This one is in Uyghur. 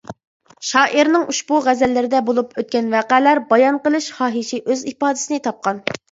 شائىرنىڭ ئۇشبۇ غەزەللىرىدە بولۇپ ئۆتكەن ۋەقەلەر بايان قىلىش خاھىشى ئۆز ئىپادىسىنى تاپقان.